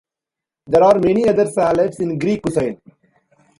There are many other salads in Greek cuisine.